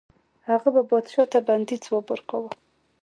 هغه به پادشاه ته د بندي ځواب ورکاوه.